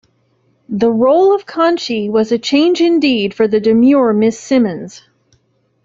The role of Kanchi was a change indeed for 'the demure Miss Simmons.